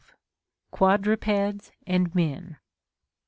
Quadrupeds and Men.